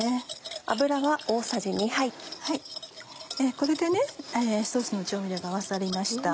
これでソースの調味料が合わさりました。